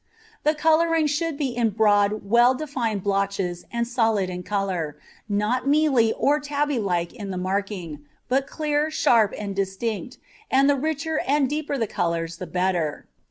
The colouring should be in broad, well defined blotches and solid in colour, not mealy or tabby like in the marking, but clear, sharp, and distinct, and the richer and deeper the colours the better.